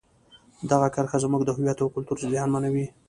دغه کرښه زموږ د هویت او کلتور زیانمنوي.